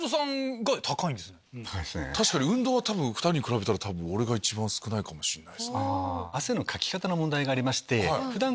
確かに運動は２人に比べたら俺が一番少ないかもしんない。